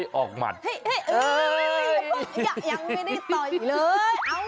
ยังไม่ได้ต่อยเรียกเลย